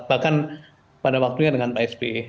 bahkan pada waktunya dengan pak sby